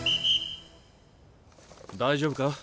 大丈夫か？